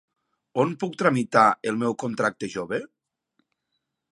On puc tramitar el meu contracte jove?